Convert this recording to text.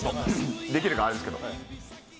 できるかあれですけど。